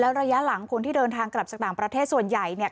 ระยะหลังคนที่เดินทางกลับจากต่างประเทศส่วนใหญ่เนี่ย